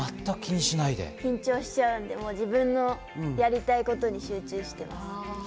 緊張したので自分のやりたいことに集中しています。